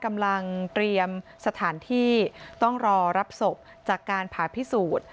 กำลังเตรียมสถานที่ต้องรอรับศพจากการผ่าพิสูจน์